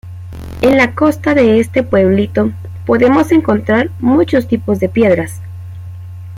En la costa de este pueblito podemos encontrar muchos tipos de piedras.